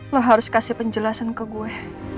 lo harus kasih penjelasan ke gue